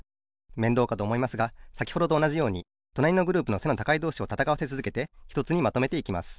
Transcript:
めんどうかとおもいますがさきほどとおなじようにとなりのグループの背の高いどうしをたたかわせつづけてひとつにまとめていきます。